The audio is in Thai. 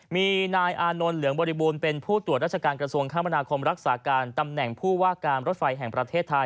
มีนายอานนท์เหลืองบริบูรณ์เป็นผู้ตรวจราชการกระทรวงคมนาคมรักษาการตำแหน่งผู้ว่าการรถไฟแห่งประเทศไทย